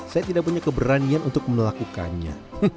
saya tidak punya keberanian untuk melakukannya